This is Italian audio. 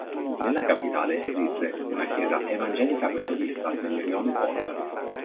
Nella capitale esiste un'altra "chiesa evangelica metodista" nel rione Ponte.